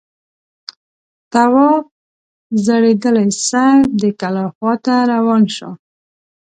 تواب ځړېدلی سر د کلا خواته روان شو.